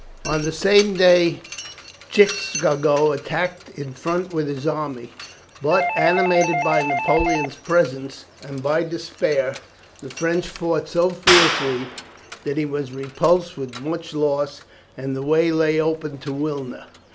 On the same day Tchichagow attacked in front with his army, but, animated by Napoleon's presence, and by despair, the French fought so fiercely that he was repulsed with much loss, and the way lay open to Wilna.